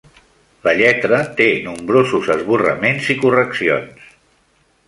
La lletra té nombrosos esborraments i correccions.